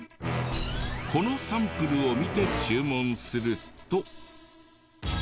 このサンプルを見て注文すると。